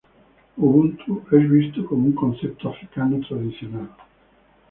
Ubuntu es visto como un concepto africano tradicional.